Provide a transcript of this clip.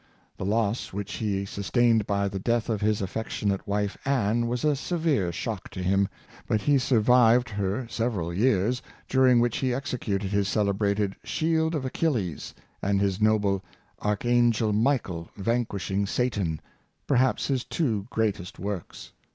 The loss which he sustained by the death of his affectionate wife Ann was a severe shock to him ; but he survived her several years, during which he executed his celebrated " Shield of Achilles," and his noble ''Archangel Michael van quishing Satan" — perhaps his two greatest works.